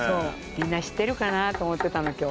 みんな知ってるかな？と思ってたの今日。